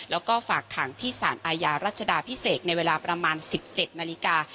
แล้วก็ฝากขังที่สารอาญารัชดาพิเศษในเวลาประมาณ๑๗นาฬิกา